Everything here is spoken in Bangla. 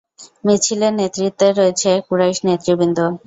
মিছিলের নেতৃত্বে রয়েছে কুরাইশ নেতৃবৃন্দ।